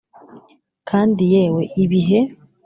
kandi yewe ibihe